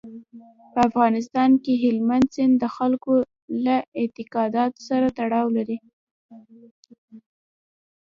په افغانستان کې هلمند سیند د خلکو له اعتقاداتو سره تړاو لري.